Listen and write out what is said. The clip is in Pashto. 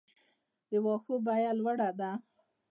د واښو بیه لوړه ده؟